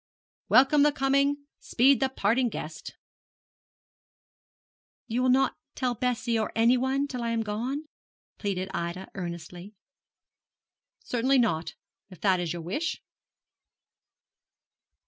'"Welcome the coming, speed the parting guest!"' 'You will not tell Bessie, or anyone, till I am gone?' pleaded Ida, earnestly. 'Certainly not if that is your wish.'